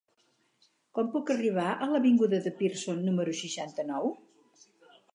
Com puc arribar a l'avinguda de Pearson número seixanta-nou?